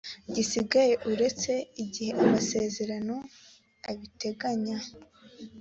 gisigaye uretse igihe amasezerano abiteganya